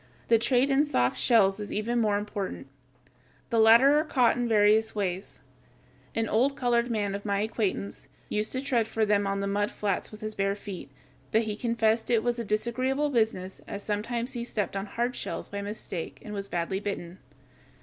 The trade in "soft shells" is even more important. The latter are caught in various ways. An old colored man of my acquaintance used to tread for them on the mud flats with his bare feet; but he confessed that it was a disagreeable business, as sometimes he stepped on "hard shells" by mistake and was badly bitten.